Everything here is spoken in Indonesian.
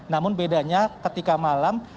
namun bedanya ketika malam